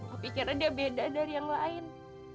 opi kira dia beda dari yang lain